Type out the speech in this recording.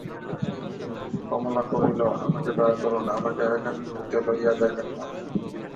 কমলা কহিল, আমাকে দয়া করুন, আমাকে এখান হইতে লইয়া যাইবেন না।